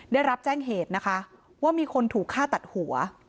ได้รับแจ้งเหตุนะคะว่ามีคนถูกฆ่าตัดหัว